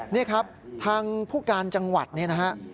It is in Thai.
นี่ครับทางผู้การจังหวัดเนี่ยนะฮะ